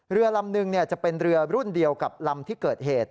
เรือลำนึงจะเป็นเรือรุ่นเดียวกับลำที่เกิดเหตุ